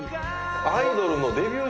アイドルのデビュー